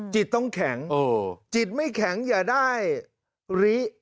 จิตต้องแข็งจิตไม่แข็งอย่าได้ริ